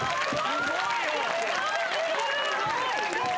すごい！